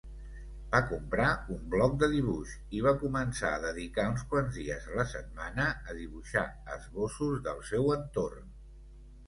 Va comprar un bloc de dibuix i va començar a dedicar uns quants dies a la setmana a dibuixar esbossos del seu entorn.